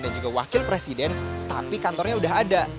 dan juga wakil presiden tapi kantornya udah ada